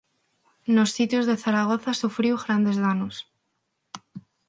Nos Sitios de Zaragoza sufriu grandes danos.